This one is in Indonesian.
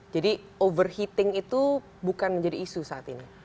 jadi overheating itu bukan menjadi isu saat ini